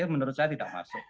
menurut saya tidak masuk